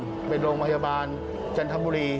มันเป็นโรงพยาบาลจันทรัมบุรี